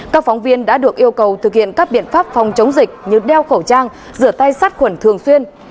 các phóng viên đã được yêu cầu thực hiện các biện pháp phòng chống dịch như đeo khẩu trang rửa tay sát khuẩn thường xuyên